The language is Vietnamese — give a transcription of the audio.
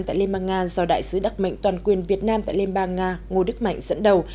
tại liên bang nga do đại sứ đặc mệnh toàn quyền việt nam tại liên bang nga ngô đức mạnh dẫn đầu